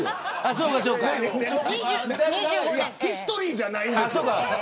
ヒストリーじゃないんですよ。